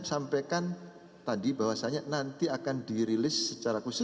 saya sampaikan tadi bahwasannya nanti akan dirilis secara komersial